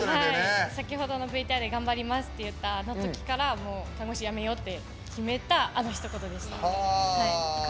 先ほどのＶＴＲで頑張りますって言ったあのときから看護師、辞めようって思ったあのひと言でした。